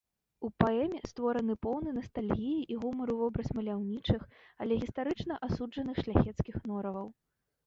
У паэме створаны поўны настальгіі і гумару вобраз маляўнічых, але гістарычна асуджаных шляхецкіх нораваў.